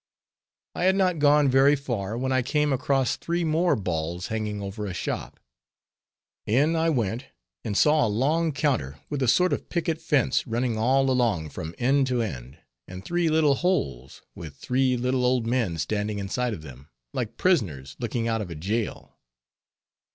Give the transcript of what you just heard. I had not gone very far when I came across three more balls hanging over a shop. In I went, and saw a long counter, with a sort of picket fence, running all along from end to end, and three little holes, with three little old men standing inside of them, like prisoners looking out of a jail.